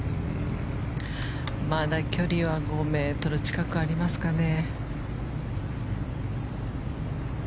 まだ距離は５ｍ近くありますかね。